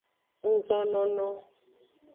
Ngzonono.